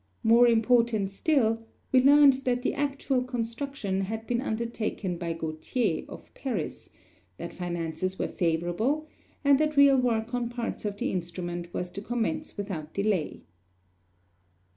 More important still, we learned that the actual construction had been undertaken by Gautier, of Paris, that finances were favorable, and that real work on parts of the instrument was to commence without delay.